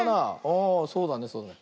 ああそうだねそうだね。